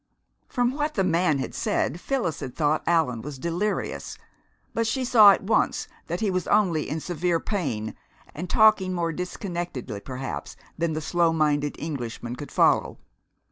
From what the man had said Phyllis had thought Allan was delirious, but she saw at once that he was only in severe pain, and talking more disconnectedly, perhaps, than the slow minded Englishman could follow.